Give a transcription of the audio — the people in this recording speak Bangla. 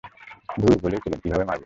ধুর, বলেই ফেলুন কীভাবে মরব!